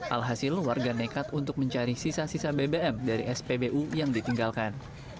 alhasil warga nekat untuk mencari sisa sisa bbm dari spbu yang ditinggalkan